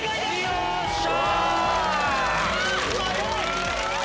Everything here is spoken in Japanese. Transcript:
よっしゃ！